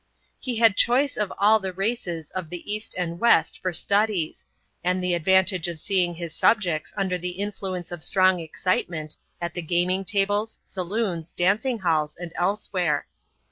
He had choice of all the races of the East and West for studies, and the advantage of seeing his subjects under the influence of strong excitement, at the gaming tables, saloons, dancing hells, and elsewhere.